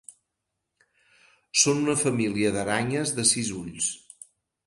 Són una família d'aranyes de sis ulls.